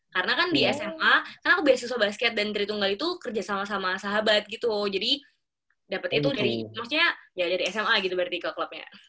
karena kan di sma kan aku beasiswa basket dan tritunggal itu kerja sama sama sahabat gitu jadi dapet itu dari sma gitu berarti ke klubnya